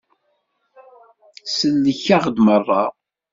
Tsellek-aɣ-d merra.